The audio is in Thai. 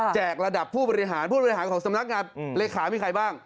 กระดับผู้บริหารผู้บริหารของสำนักงานเลขามีใครบ้าง